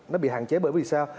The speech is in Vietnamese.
nó bị hạn chế bởi vì sao